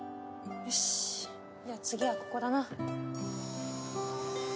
よしじゃあ次はここだな。